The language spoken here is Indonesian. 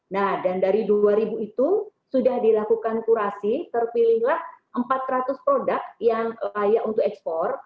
nah dan dari dua ribu itu sudah dilakukan kurasi terpilihlah empat ratus produk yang layak untuk ekspor